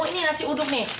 ini nasi uduk nih